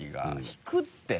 引くって！